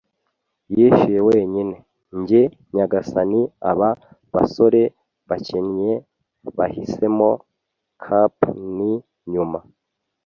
yishuye wenyine. “Njye, nyagasani. Aba basore bakennye bahisemo cap'n, nyuma